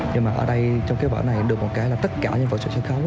nhưng mà ở đây trong cái vỡ này được một cái là tất cả những vật sự sân khấu